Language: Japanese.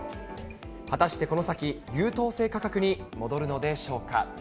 果たしてこの先、優等生価格に戻るのでしょうか。